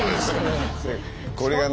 これがね